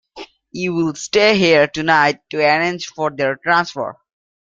You will stay here tonight to arrange for their transfer?